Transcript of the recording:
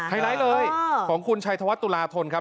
ไลท์เลยของคุณชัยธวัฒนตุลาธนครับ